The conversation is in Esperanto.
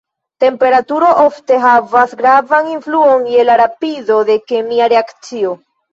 Temperaturo ofte havas gravan influon je la rapido de kemia reakcio.